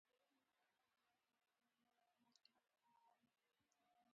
په کابل پوهنتون کې د پښتو او فارسي څانګې مجلې چاپېدې.